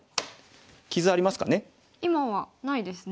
傷ありますかね？